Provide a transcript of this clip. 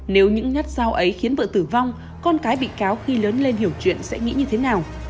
nếu những nhát sao ấy khiến vợ tử vong con cái bị cáo khi lớn lên hiểu chuyện sẽ nghĩ như thế nào